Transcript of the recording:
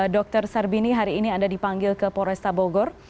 dr sarbini hari ini anda dipanggil ke polresta bogor